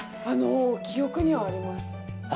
あの記憶にはあります。